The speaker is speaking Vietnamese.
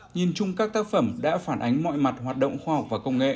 nhìn chung các tác phẩm đã phản ánh mọi mặt hoạt động khoa học và công nghệ